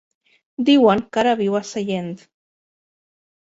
Diuen que ara viu a Sellent.